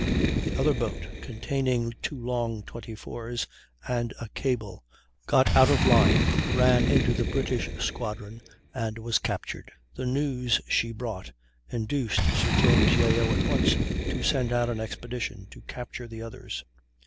The other boat, containing two long 24's and a cable, got out of line, ran into the British squadron, and was captured. The news she brought induced Sir James Yeo at once to send out an expedition to capture the others.